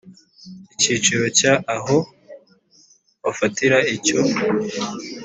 Icyiciro cya aho bafatira icyo